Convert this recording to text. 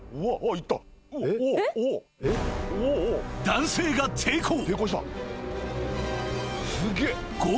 ［男性が抵抗］